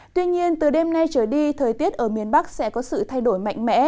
tuy nhiên từ đêm nay trở đi thời tiết ở miền bắc sẽ có sự thay đổi mạnh mẽ